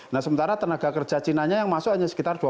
nah sementara tenaga kerja chinanya yang masuk hanya sekitar